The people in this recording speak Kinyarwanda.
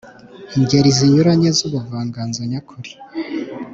ingeri zinyuranye z’ubuvanganzo nyakuri